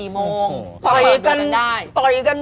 มห์ได้